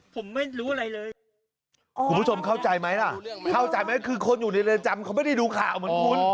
ผมไม่รู้อะไรเลยคุณผู้ชมเข้าใจไหมล่ะเข้าใจไหมคือคนอยู่ในเรือนจำเขาไม่ได้ดูข่าวเหมือนคุณ